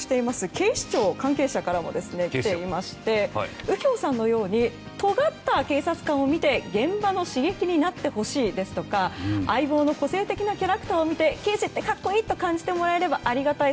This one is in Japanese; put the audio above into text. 警視庁関係者からも来ていまして右京さんのようにとがった警察官を見て現場の刺激になってほしいですとか「相棒」の個性的なキャラクターを見て刑事って格好いいと感じてもらえればありがたい。